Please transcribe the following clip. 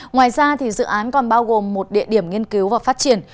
ngoài ra dự án còn bao gồm một địa điểm nghiên cứu và phát triển